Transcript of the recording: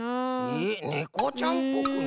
えっねこちゃんっぽくな？